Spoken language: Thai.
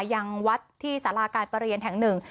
ยังวัดที่สาราการประเรียนแห่งหนึ่ง